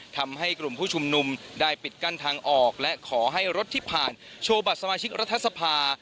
ทำให้กลุ่มผู้ชุมนุมได้ปิดกั้นทางออกและขอให้รถที่ผ่านโชว์บัตรสมาชิกรัฐสภา